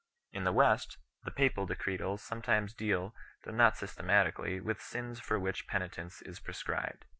In the West, the papal decretals some times deal, though not systematically, with sins for which penitence is prescribed.